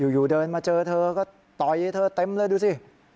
อยู่เดินมาเจอเธอก็ต่อยเธอเต็มเลยดูสิ